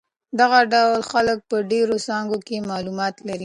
دغه ډول خلک په ډېرو څانګو کې معلومات لري.